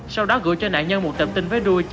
sau đó gửi cho nạn nhân một tập tin với đuôi